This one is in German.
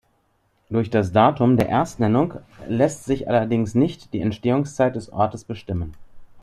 Durch das Datum der Erstnennung lässt sich allerdings nicht die Entstehungszeit des Ortes bestimmen.